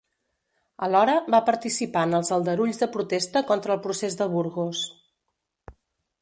Alhora, va participar en els aldarulls de protesta contra el Procés de Burgos.